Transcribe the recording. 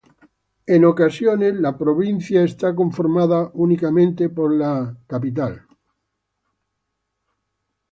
En ocasiones, la provincia eclesiástica está conformada únicamente por la arquidiócesis metropolitana.